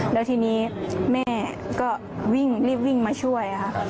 แล้วทีนี้แม่ก็วิ่งรีบวิ่งมาช่วยค่ะ